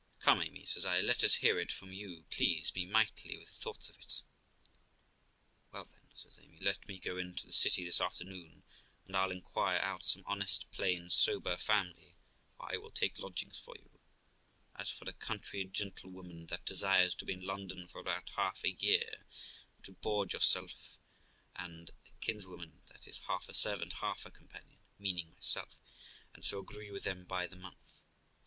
'Come, Amy', says I, 'let us hear of it, for you please me mightily with the thoughts of it.' 'Why, then', says Amy, 'let me go into the city this afternoon, and I'll inquire out some honest, plain, sober family, where I will take lodgings for you, as for a country gentlewoman that desires to be in London for about half a year, and to board yourself and a kinswoman that is, half a servant, half a companion, meaning myself; and so agree with them by the month.